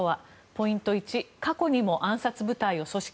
ポイント１過去にも暗殺部隊を組織。